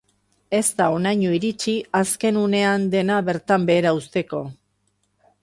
Ez da honaino iritsi azken unean dena bertan behera uzteko.